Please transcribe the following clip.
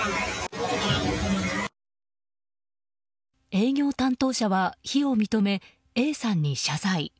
営業担当者は非を認めＡさんに謝罪。